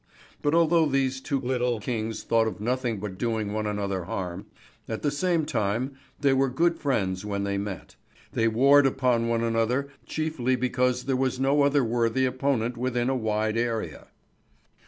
But although these two little kings thought of nothing but doing one another harm, at the same time they were good friends when they met. They warred upon one another chiefly because there was no other worthy opponent within a wide area.